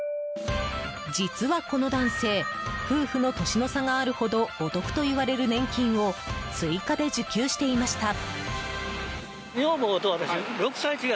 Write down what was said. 実は、この男性夫婦の年の差があるほどお得といわれる年金を追加で受給していました。